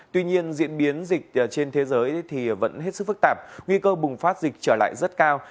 tuy nhiên diễn biến dịch trên thế giới thì vẫn hết sức phức tạp nguy cơ bùng phát dịch trở lại rất cao